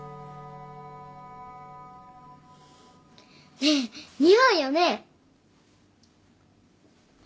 ねえ似合うよね。